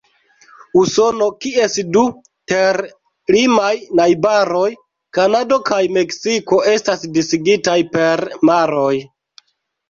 Usono, kies du ter-limaj najbaroj, Kanado kaj Meksiko, estas disigitaj per maroj.